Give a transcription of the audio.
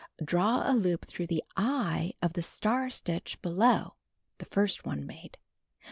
Draw a loop tlirough the "eye" of the star stitch below (the first one made)